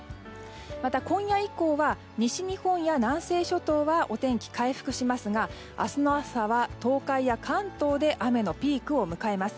また今夜以降は西日本や南西諸島はお天気回復しますが明日の朝は東海や関東で雨のピークを迎えます。